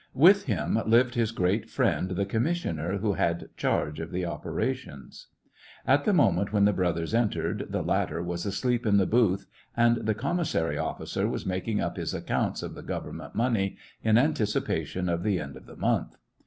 With him lived his great friend, the commissioner who had charge of the operations. At the moment when the brothers entered, the latter was asleep in the booth, and the com missary officer was making up his accounts of the government money, in anticipation of the end of the month.